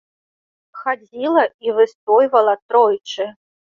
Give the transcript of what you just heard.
Хадзіла і выстойвала тройчы.